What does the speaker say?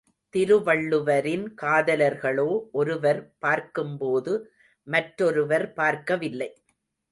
திருவள்ளுவரின் காதலர்களோ ஒருவர் பார்க்கும்போது மற்றொருவர் பார்க்கவில்லை.